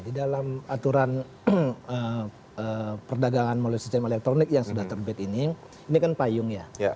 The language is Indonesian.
di dalam aturan perdagangan melalui sistem elektronik yang sudah terbit ini ini kan payung ya